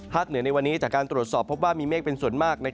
เหนือในวันนี้จากการตรวจสอบพบว่ามีเมฆเป็นส่วนมาก